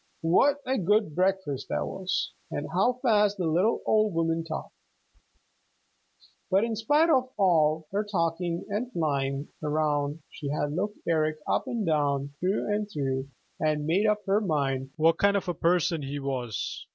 What a good breakfast that was, and how fast the little old woman talked! But in spite of all her talking and flying around she had looked Eric up and down and through and through, and made up her mind what kind of a person he was.